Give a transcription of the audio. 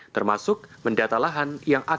termasuk mendata lahan yang akan